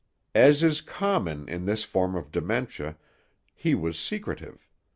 As is common in this form of dementia, he was secretive.